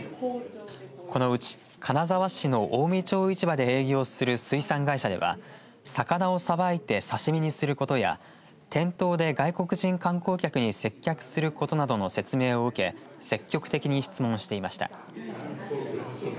このうち金沢市の近江町市場で営業する水産会社では魚をさばいて刺し身にすることや店頭で外国人観光客に接客することなどの説明を受け積極的に質問していました。